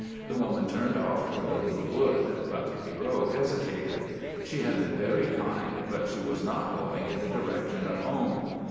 The woman turned off toward the little wood, but Pierrot hesitated. She had been very kind, but she was not going in the direction of home.